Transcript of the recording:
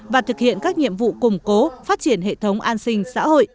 và thực hiện các nhiệm vụ củng cố phát triển hệ thống an sinh xã hội